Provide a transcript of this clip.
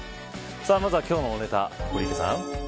まずは今日の大ネタ堀池さん。